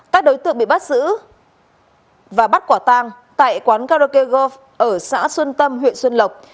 các đối tượng bị bắt giữ và bắt quả tang tại quán karaoke gov ở xã xuân tâm huyện xuân lộc